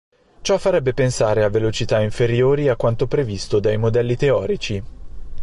Ciò farebbe pensare a velocità inferiori a quanto previsto dai modelli teorici.